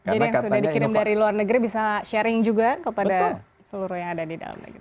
jadi yang sudah dikirim dari luar negeri bisa sharing juga kepada seluruh yang ada di dalam negeri